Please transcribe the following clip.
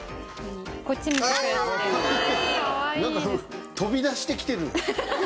なんか飛び出してきてる。